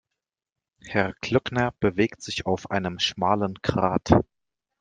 Herr Glöckner bewegt sich auf einem schmalen Grat.